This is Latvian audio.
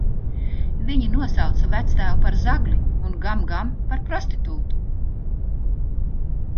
Viņi nosauca vectēvu par zagli un Gam Gam par prostitūtu!